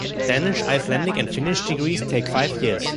Danish, Icelandic and Finnish degrees take five years.